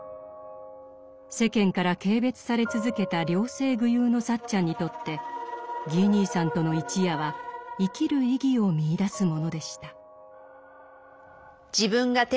世間から軽蔑され続けた両性具有のサッチャンにとってギー兄さんとの一夜は生きる意義を見いだすものでした。